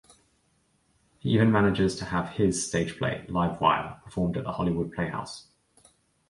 He even manages to have "his" stageplay, "Live Wire", performed at the Hollywood Playhouse.